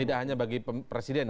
tidak hanya bagi presiden